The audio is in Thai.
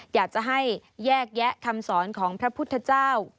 อยากจะให้แยกแยะคำสอนของพระพุทธเจ้า